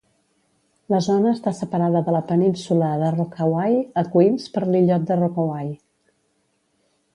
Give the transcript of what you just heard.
La zona està separada de la península de Rockaway a Queens per l'illot de Rockaway.